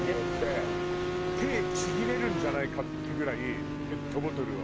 手ちぎれるんじゃないかっていうぐらいペットボトルを。